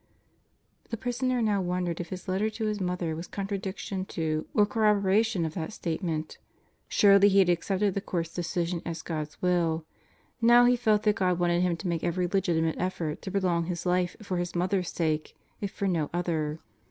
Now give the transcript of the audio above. The prisoner now wondered if his letter to his mother was contradiction to or corroboration of that statement. Surely he had accepted the Court's decision as God's will. Now he felt that God wanted him to make every legitimate effort to prolong his life for his mother's sake, if for no other.